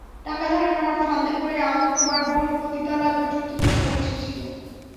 টাকা ধার নেওয়ার ফাঁন্দে পরে তোমার বোন পতিতালয় পর্যন্ত গিয়ে পৌঁছে ছিলো।